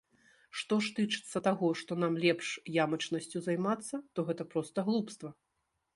Што ж тычыцца таго, што нам лепш ямачнасцю займацца, то гэта проста глупства.